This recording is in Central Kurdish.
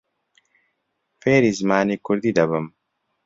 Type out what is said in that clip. فێری زمانی کوردی دەبم.